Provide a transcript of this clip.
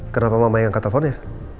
kenapa mama yang ke teleponnya